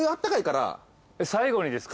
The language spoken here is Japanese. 最後にですか？